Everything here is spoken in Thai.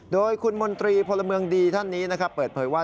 โดยคุณมนตรีพลเมืองดีท่านนี้นะครับเปิดเผยว่า